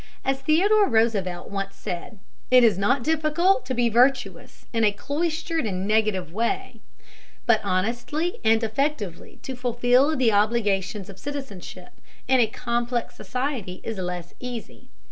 As Theodore Roosevelt once said, "It is not difficult to be virtuous in a cloistered and negative way," but honestly and effectively to fulfill the obligations of citizenship in a complex society is less easy.